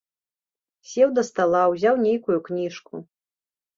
Сеў да стала, узяў нейкую кніжку.